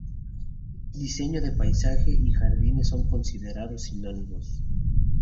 Diseño de Paisaje y de jardines son considerados sinónimos.